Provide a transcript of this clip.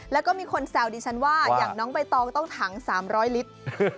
แล้วก็มีคนแซวดิฉันว่าอย่างน้องใบตองต้องถัง๓๐๐ลิตร